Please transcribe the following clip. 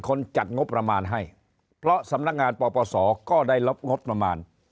จัดงบประมาณให้เพราะสำนักงานปปศก็ได้รับงบประมาณ